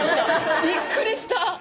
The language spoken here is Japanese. びっくりした！